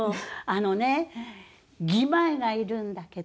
あのね義妹がいるんだけど。